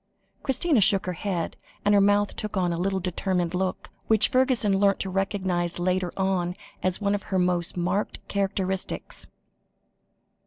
Christina shook her head, and her mouth took on a little determined look, which Fergusson learnt to recognise later on as one of her most marked characteristics.